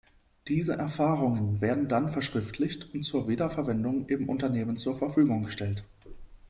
Diese Erfahrungen werden dann verschriftlicht und zur Wiederverwendung im Unternehmen zur Verfügung gestellt.